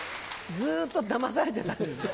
ずっとだまされてたんですね。